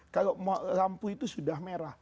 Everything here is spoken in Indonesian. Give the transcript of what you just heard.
kalau lampu itu sudah merah